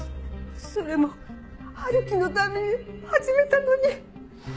それも春樹のために始めたのに。